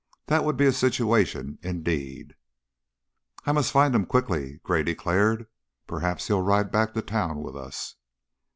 That would be a situation, indeed. "I must find him, quickly," Gray declared. "Perhaps he'll ride back to town with us."